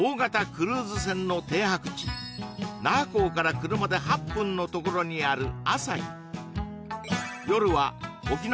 クルーズ船の停泊地那覇港から車で８分の所にあるあさひ